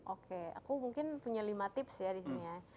oke aku mungkin punya lima tips ya di sini ya